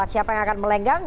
siapa yang akan melenggang